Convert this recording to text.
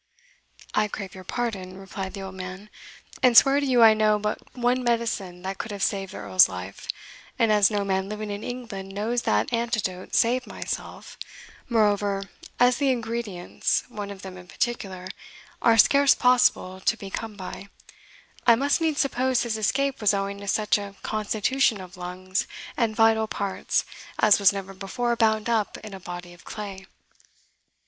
"I crave your pardon," replied the old man, "and swear to you I know but one medicine that could have saved the Earl's life; and as no man living in England knows that antidote save myself moreover, as the ingredients, one of them in particular, are scarce possible to be come by, I must needs suppose his escape was owing to such a constitution of lungs and vital parts as was never before bound up in a body of clay."